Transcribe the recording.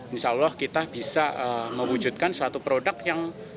insya allah kita bisa mewujudkan suatu produk yang